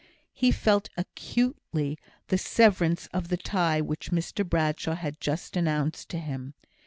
He felt acutely the severance of the tie which Mr Bradshaw had just announced to him.